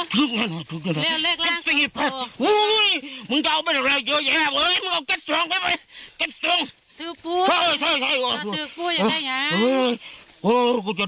เด็กสี่พังเษื่อกรรมนั่นต่อไปใช่ไหม